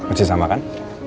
uci sama kan